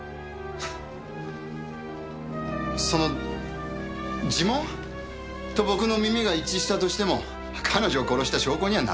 その耳紋と僕の耳が一致したとしても彼女を殺した証拠にはならない。